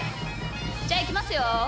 じゃいきますよ！